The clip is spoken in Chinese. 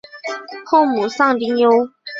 后母丧丁忧。